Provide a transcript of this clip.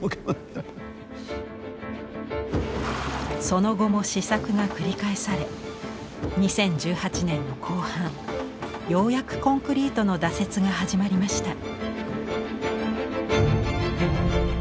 その後も試作が繰り返され２０１８年の後半ようやくコンクリートの打設が始まりました。